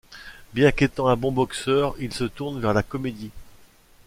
Bien qu'étant un bon boxeur, il se tourne vers la comédie.